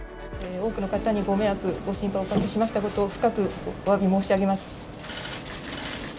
多くの方にご迷惑、ご心配をおかけしましたことを深くお詫び申し上げます。